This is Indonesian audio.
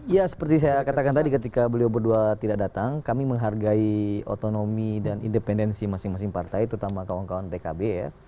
ya seperti saya katakan tadi ketika beliau berdua tidak datang kami menghargai otonomi dan independensi masing masing partai terutama kawan kawan pkb ya